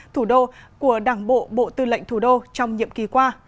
thủ đô của đảng bộ bộ tư lệnh thủ đô trong nhiệm kỳ qua